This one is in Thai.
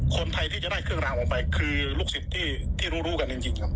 คนไทยที่จะได้เครื่องรางออกไปคือลูกศิษย์ที่รู้รู้กันจริงครับ